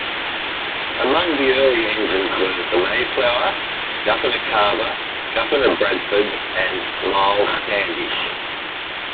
Among the early engines were the "Mayflower", "Governor Carver", "Governor Bradford" and "Miles Standish".